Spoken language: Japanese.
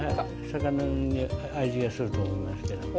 魚の味がすると思いますけども。